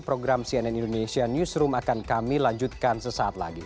program cnn indonesia newsroom akan kami lanjutkan sesaat lagi